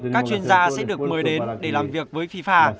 các chuyên gia sẽ được mời đến để làm việc với fifa